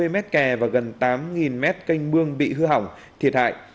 sáu trăm hai mươi m kè và gần tám m canh mương bị hư hỏng thiệt hại